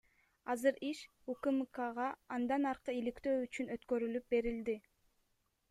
Азыр иш УКМКга андан аркы иликтөө үчүн өткөрүлүп берилди.